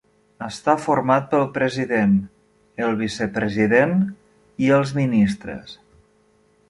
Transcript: Està format pel president, el vicepresident i els ministres.